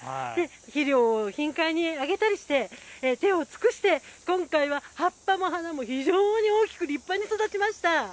肥料を頻繁にあげたりして、手を尽くして今回は葉っぱも花も非常に大きく立派に育ちました。